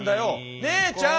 姉ちゃん！